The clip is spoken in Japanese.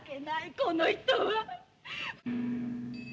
この人は。